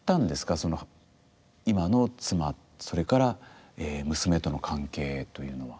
その今の妻それから娘との関係というのは。